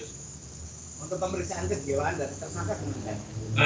untuk pemeriksaan kecewaan dari tersangka kemana